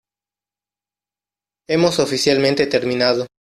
Hemos oficialmente terminado.